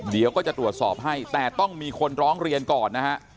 เดี๋ยวก็จะตรวจสอบให้แต่ต้องมีคนร้องเรียนก่อนนะฮะ